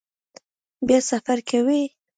بیا سفر کوئ؟